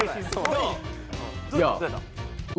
どう？